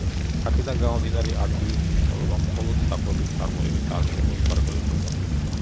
აქედან გამომდინარე, ადგილის მნიშვნელობა მხოლოდ საკვების წარმოებით არ შემოიფარგლებოდა.